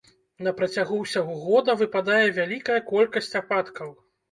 На працягу ўсяго года выпадае вялікая колькасць ападкаў.